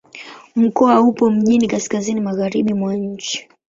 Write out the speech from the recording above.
Mkoa upo mjini kaskazini-magharibi mwa nchi.